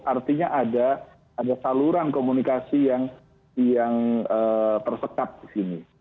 artinya ada saluran komunikasi yang tersekat di sini